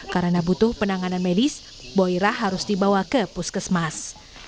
karena butuh penanganan medis boirah harus dibawa ke puskesmas